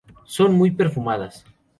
Son muy perfumadas.